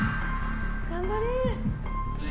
頑張れ！